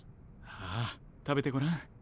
ああ食べてごらん。